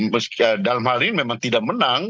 meski dalam hal ini memang tidak menang